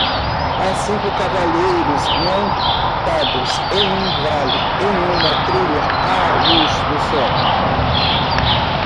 Há cinco cavaleiros montados em um vale em uma trilha à luz do sol